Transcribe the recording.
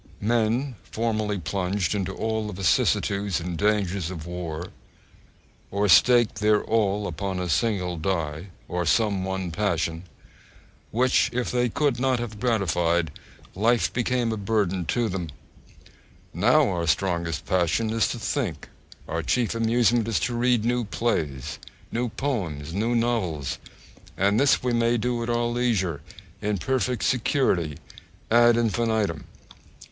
Men formerly plunged into all the vicissitudes and dangers of war, or staked their all upon a single die, or some one passion, which if they could not have gratified, life became a burden to them now our strongest passion is to think, our chief amusement is to read new plays, new poems, new novels, and this we may do at our leisure, in perfect security, ad infinitum.